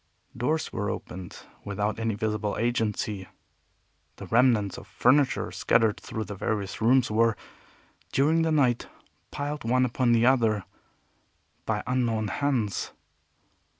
Doors were opened without any visible agency. The remnants of furniture scattered through the various rooms were, during the night, piled one upon the other by unknown hands.